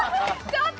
ちょっと！